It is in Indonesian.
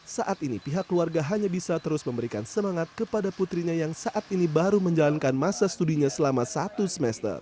saat ini pihak keluarga hanya bisa terus memberikan semangat kepada putrinya yang saat ini baru menjalankan masa studinya selama satu semester